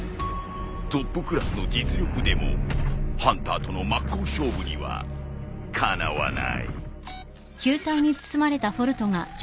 トップクラスの実力でもハンターとの真っ向勝負にはかなわない。